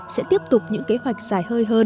sẽ tiếp tục những kế hoạch dài hơi hơn